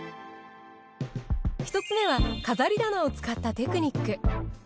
１つ目は飾り棚を使ったテクニック。